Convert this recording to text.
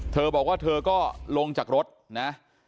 เธอบอกว่าเธอก็ลงจากรถนะ